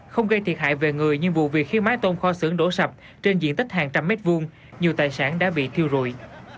không gây thiệt hại về người nhưng vụ việc khiến mái tôn kho xưởng đổ sập trên diện tích hàng trăm mét vuông nhiều tài sản đã bị thiêu rụi